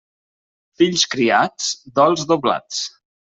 Fills criats, dols doblats.